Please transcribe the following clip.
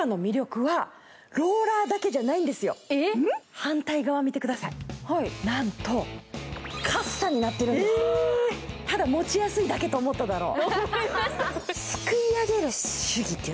反対側見てください、なんと、カッサになっているんですただ持ちやすいだけと思っただろう？